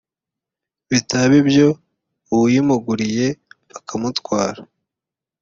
bitaba ibyo uwuyimuguriye akamugutwara